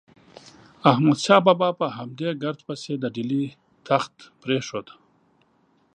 احمد شاه بابا په همدې ګرد پسې د ډیلي تخت پرېښود.